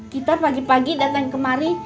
kita pagi pagi datang kemari